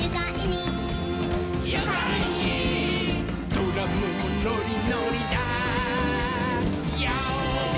「ドラムもノリノリだヨー！」